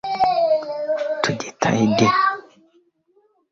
alikuwa makamu wa mwenyekiti wa bunge la kitaifa